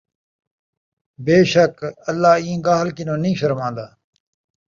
بیشک اللہ اِیں ڳالھ کنوں نھیں شرمان٘دا،